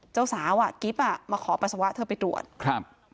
เจ้าสาวอ่ะกิ๊บอ่ะมาขอปัสสาวะเธอไปตรวจครับ